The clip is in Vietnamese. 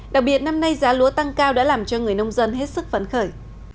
đặc biệt năm nay giá lúa tăng cao đã làm cho người nông dân hết sức phấn khởi